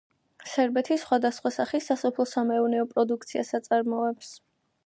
სერბეთი სხვადასხვა სახის სასოფლო-სამეურნეო პროდუქციას აწარმოებს.